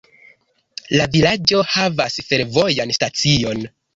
La vilaĝo havas fervojan stacion.